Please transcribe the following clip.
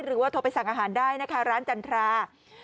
หรือว่าโทรไปสั่งอาหารได้นะคะร้านจันทรา